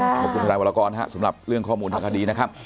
ทนายวรกรนะครับสำหรับเรื่องข้อมูลทางคดีนะครับ